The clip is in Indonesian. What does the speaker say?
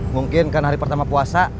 mungkin karena hari pertama puasa